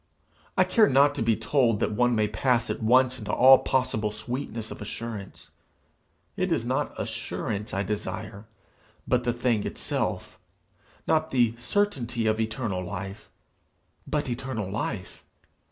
I care not to be told that one may pass at once into all possible sweetness of assurance; it is not assurance I desire, but the thing itself; not the certainty of eternal life, but eternal life.